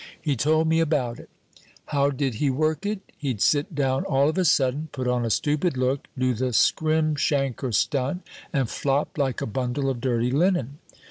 He told me about it. How did he work it? He'd sit down all of a sudden, put on a stupid look, do the scrim shanker stunt, and flop like a bundle of dirty linen.